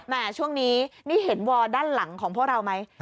นะช่วงนี้นี่เห็นด้านหลังของพวกเรามั๊ย